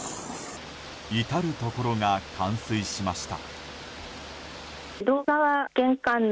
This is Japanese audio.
至るところが冠水しました。